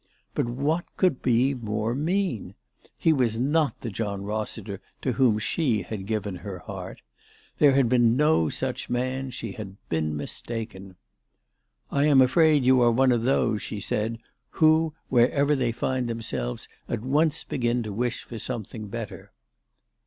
But what could be more mean ? He was not the John Rossiter to whom she had given her heart. There had been no such man. She had been mistaken. " I am afraid you are one of those," she said, " who, wherever they find themselves, at once begin to wish for something better."